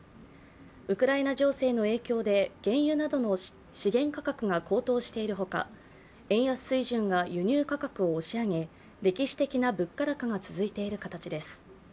ウクライナ情勢の影響で原油などの資源価格が高騰しているほか円安水準が輸入価格を押し上げ歴史的な物価高が続いている形です。